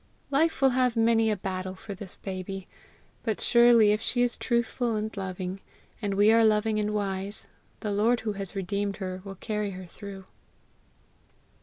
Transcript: Life will have many a battle for this baby; but surely if she is truthful and loving, and we are loving and wise, the Lord who has redeemed her will carry her through.